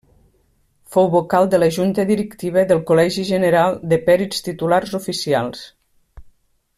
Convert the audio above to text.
Fou vocal de la Junta directiva del Col·legi General de Pèrits Titulars Oficials.